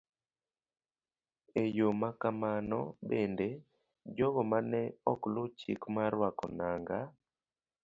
E yo ma kamano bende, jogo ma ne ok luw chik mar rwako nanga,